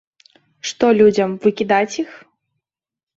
Што людзям, выкідаць іх?